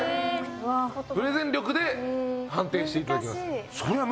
プレゼン力で判定していただきます。